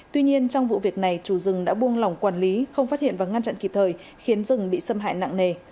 tuy nhiên trong vụ việc này chủ rừng đã buông lỏng quản lý không phát hiện và ngăn chặn kịp thời khiến rừng bị xâm hại nặng nề